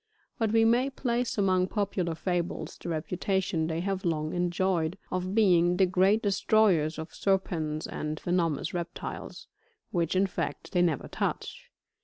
But we may place among popular fables, the reputation they have long enjoyed, of being the great destroyers of serpents and venomous reptiles, which in fact, they never touch.